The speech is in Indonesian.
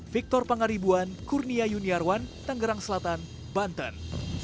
victor pangaribuan kurnia yuniarwan tanggerang selatan banten